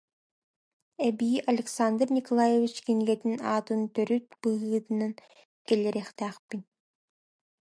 эбии Александр Николаевич кинигэтин аатын төрүт быһыытынан киллэриэхтээхпин